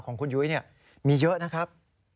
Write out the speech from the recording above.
ของคุณยุ้ยมีเยอะนะครับ